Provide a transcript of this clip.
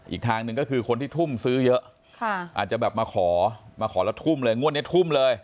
อีกทางหนึ่งก็คือคนที่ทุ่มซื้อเยอะอาจจะแบบมาขอมาขอแล้วทุ่มเลย